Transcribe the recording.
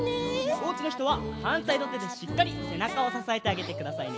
おうちのひとははんたいのてでしっかりせなかをささえてあげてくださいね。